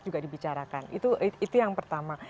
juga dibicarakan itu yang pertama